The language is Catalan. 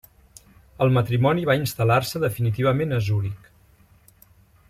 El matrimoni va instal·lar-se definitivament a Zuric.